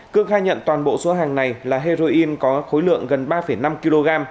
cương khai nhận toàn bộ số hàng này là heroin có khối lượng gần ba năm kg